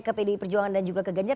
ke pdi perjuangan dan juga ke ganjar